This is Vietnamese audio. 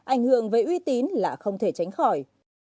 ảnh hưởng về uy tín là không thể tránh khỏi